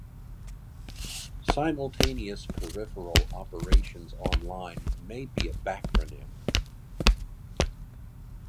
"Simultaneous peripheral operations on-line" may be a backronym.